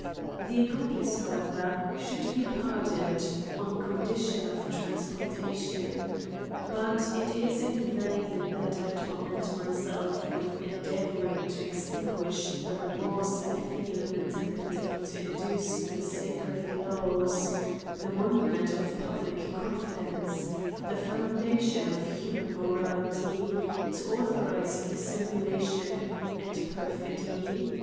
The accomplice, however, should be pardoned, on condition of transportation. BRt it is in vain that I torment myself with endea vouring to extinguish the remorse I feel in at tempting to induce the sacred laws, the monu ment of public confidence, the foundation of hu man morality, to authorise dissimulation and per fidy.